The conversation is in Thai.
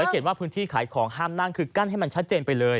เขียนว่าพื้นที่ขายของห้ามนั่งคือกั้นให้มันชัดเจนไปเลย